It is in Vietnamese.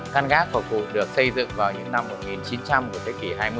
căn gác của cụ được xây dựng vào những năm một nghìn chín trăm linh của thế kỷ hai mươi